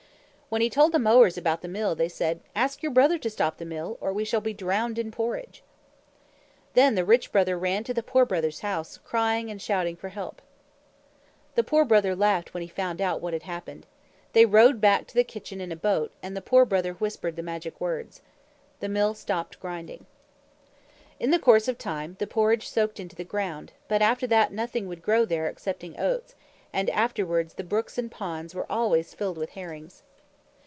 When he told the mowers about the Mill, they said, "Ask your brother to stop the Mill, or we shall be drowned in porridge." Then the Rich Brother ran to the Poor Brother's house, crying and shouting for help. The Poor Brother laughed when he found out what had happened. They rowed back to the kitchen in a boat, and the Poor Brother whispered the magic words. The Mill stopped grinding. In the course of time, the porridge soaked into the ground, but after that nothing would grow there excepting oats, and afterwards the brooks and ponds were always filled with herrings.